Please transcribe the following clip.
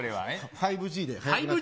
５Ｇで。